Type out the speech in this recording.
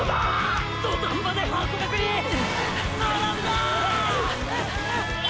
土壇場でハコガクに――並んだァァっ！！